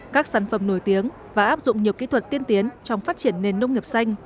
các sản phẩm nổi tiếng và áp dụng nhiều kỹ thuật tiên tiến trong phát triển nền nông nghiệp xanh